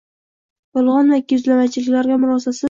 yolg‘on va ikkiyuzlamachiliklarga murosasiz